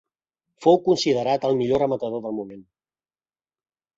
Fou considerat el millor rematador del moment.